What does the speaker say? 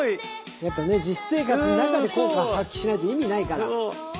やっぱね実生活の中で効果発揮しないと意味ないから。